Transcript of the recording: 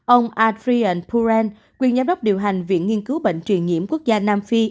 ông adrian puren quyền giám đốc điều hành viện nghiên cứu bệnh truyền nhiễm quốc gia nam phi